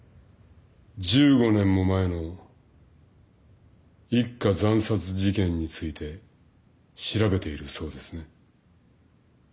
１５年も前の一家惨殺事件について調べているそうですね？